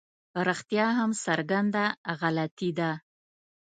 رښتیا هم څرګنده غلطي ده.